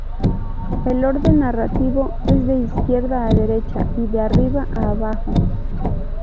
El orden narrativo es de izquierda a derecha y de arriba abajo.